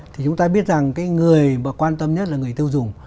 thì chúng ta biết rằng cái người mà quan tâm nhất là người tiêu dùng